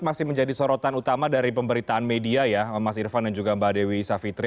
masih menjadi sorotan utama dari pemberitaan media ya mas irvan dan juga mbak dewi savitri